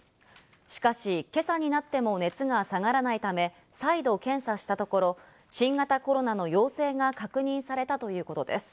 しかし、今朝になっても熱が下がらないため、再度検査したところ、新型コロナの陽性が確認されたということです。